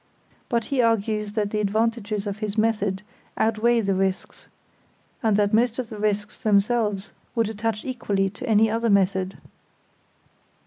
But he argues that the advantages of his method outweigh the risks, and that most of the risks themselves would attach equally to any other method.